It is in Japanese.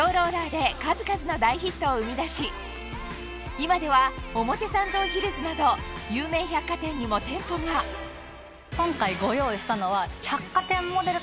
今では表参道ヒルズなど有名百貨店にも店舗が今回ご用意したのは。